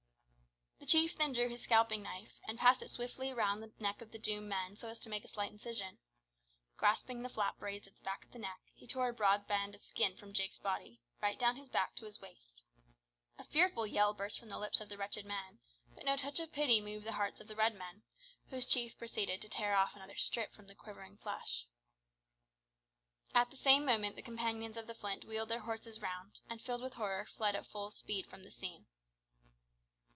The chief then drew his scalping knife, and passed it swiftly round the neck of the doomed man so as to make a slight incision. Grasping the flap raised at the back of the neck, he tore a broad band of skin from Jake's body, right down his back to his waist. A fearful yell burst from the lips of the wretched man, but no touch of pity moved the hearts of the Red men, whose chief prepared to tear off another strip of skin from the quivering flesh. At the same moment the companions of the Flint wheeled their horses round, and, filled with horror, fled at full speed from the scene.